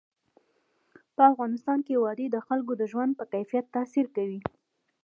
په افغانستان کې وادي د خلکو د ژوند په کیفیت تاثیر کوي.